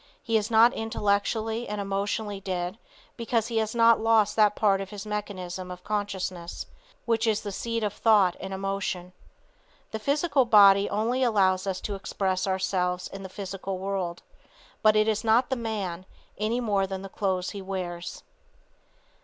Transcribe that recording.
He is not intellectually and emotionally dead because he has not lost that part of his mechanism of consciousness which is the seat of thought and emotion. The physical body only allows us to express ourselves in the physical world, but it is not the man, any more than the clothes he wears.